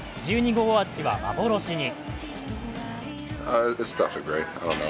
１２号アーチは幻に。